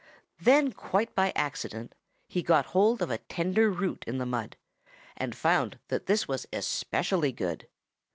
Then quite by accident he got hold of a tender root in the mud and found that this was especially good.